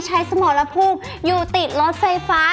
สมรภูมิอยู่ติดรถไฟฟ้า